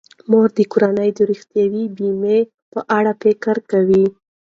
مور د کورنۍ د روغتیايي بیمې په اړه فکر کوي.